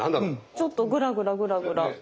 ちょっとグラグラグラグラ。